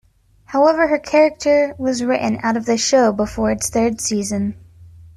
However, her character was written out of the show before its third season.